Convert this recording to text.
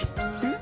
ん？